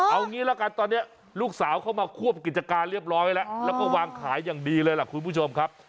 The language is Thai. เอางี้ละกันตอนนี้ลูกสาวเข้ามาควบกิจการเรียบร้อยแล้วแล้วก็วางขายอย่างดีเลยล่ะคุณผู้ชมครับ